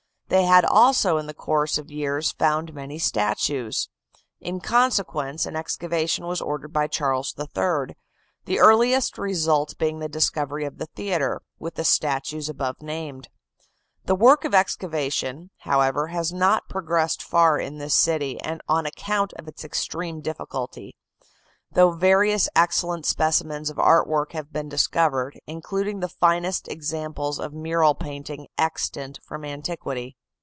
They had also, in the course of years, found many statues. In consequence, an excavation was ordered by Charles III, the earliest result being the discovery of the theatre, with the statues above named. The work of excavation, however, has not progressed far in this city, on account of its extreme difficulty, though various excellent specimens of art work have been discovered, including the finest examples of mural painting extant from antiquity.